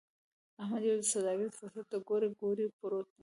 احمد دې سوداګريز فرصت ته کوړۍ کوړۍ پروت دی.